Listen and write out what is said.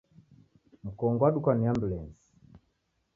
Mkongo wadukwa ni ambulesi